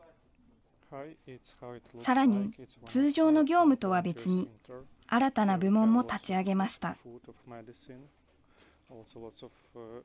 さらに、通常の業務とは別に、新たな部門も立ち上げました。